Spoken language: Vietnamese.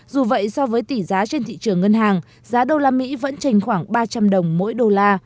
dù vậy so với tỷ giá trên thị trường ngân hàng giá usd vẫn trành khoảng ba trăm linh đồng mỗi đô la